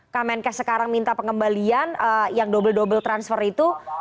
kemenkes sekarang minta pengembalian yang double double transfer itu